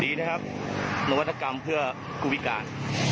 ดีนะครับนวัตกรรมเพื่อผู้พิการ